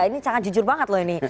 ini sangat jujur banget loh ini